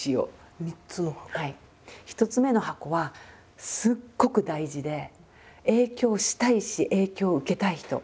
１つ目の箱はすっごく大事で影響したいし影響を受けたい人。